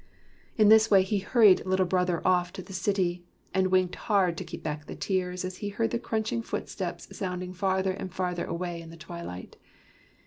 In this way he hurried Little Brother off to the city, and winked hard to keep back the tears, as he heard the crunching footsteps sounding farther and farther away in the twilight.